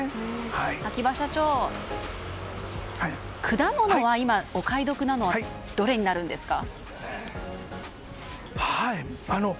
秋葉社長、果物は今お買い得なのはどれになりますか？